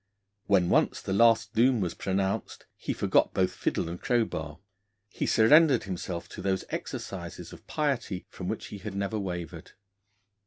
When once the last doom was pronounced, he forgot both fiddle and crowbar; he surrendered himself to those exercises of piety from which he had never wavered.